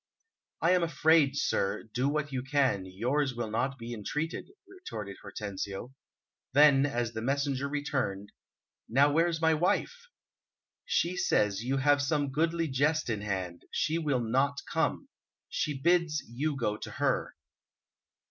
"I am afraid, sir, do what you can, yours will not be entreated," retorted Hortensio. Then, as the messenger returned, "Now, where's my wife?" "She says you have some goodly jest in hand; she will not come. She bids you go to her."